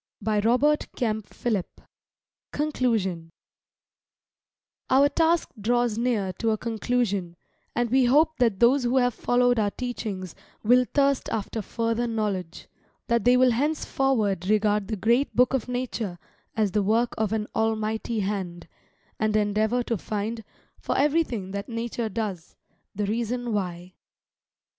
ECCLESIASTES XII.] Our task draws near to a conclusion; and we hope that those who have followed our teachings will thirst after further knowledge; that they will henceforward regard the great Book of Nature as the work of an Almighty Hand, and endeavour to find, for everything that Nature does, the Reason Why.